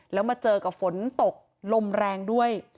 แล้วมาเจอกับฝนตกลมแรงด้วย